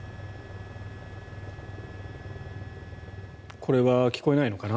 これは聞こえないのかな？